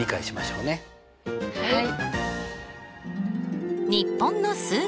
はい。